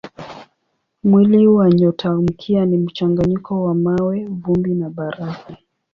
Mwili wa nyotamkia ni mchanganyiko wa mawe, vumbi na barafu.